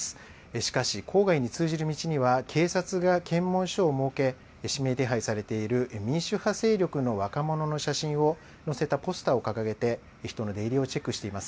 しかし、郊外に通じる道では、警察が検問所を設け、指名手配されている民主派勢力の若者の写真を載せたポスターを掲げて、人の出入りをチェックしています。